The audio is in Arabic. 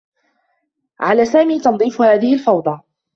على سامي تنظيف هذه الفوضى.